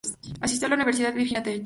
Asistió a la Universidad Virginia Tech.